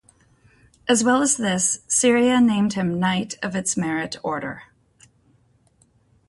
As well as this, Syria named him Knight of its Merit Order.